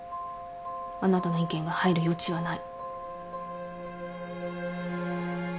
あなたの意見が入る余地はない。